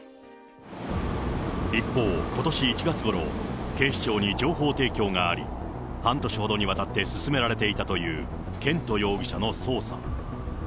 一方、ことし１月ごろ、警視庁に情報提供があり、半年ほどにわたって進められていたという絢斗容疑者の捜査。